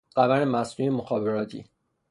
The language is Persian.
قمر مصنوعی مخابراتی